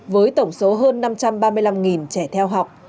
với tổng số hơn năm trăm ba mươi năm trẻ theo học